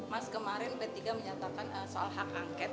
mas kemarin p tiga menyatakan soal hak angket